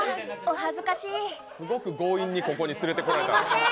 すごく強引にここに連れてこられた。